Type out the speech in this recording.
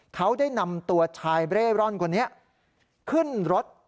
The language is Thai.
เขาได้นำตัวชายเร่ร่อนคนนี้ขึ้นรถ